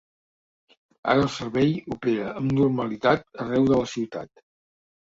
Ara el servei opera amb normalitat arreu de la ciutat.